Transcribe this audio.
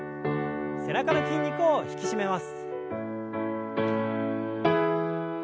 背中の筋肉を引き締めます。